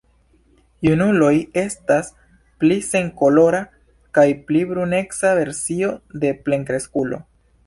Junuloj estas pli senkolora kaj pli bruneca versio de plenkreskulo.